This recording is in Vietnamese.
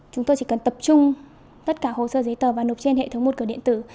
chúng tôi chỉ cần tập trung tất cả hồ sơ giấy tờ và nộp trên hệ thống một cửa điện tử